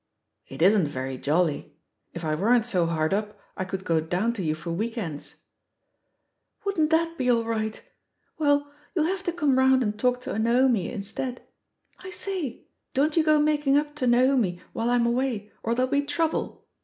"It isn't very jolly. If I weren't so hard up I could go down to you for week ends." "Wouldn't that be aU right 1 Well, you'U have to come roimd and talk to Naomi instead. I say I don't you go making up to Naomi while I'm away or there'll be trouble.